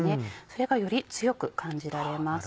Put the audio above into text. それがより強く感じられます。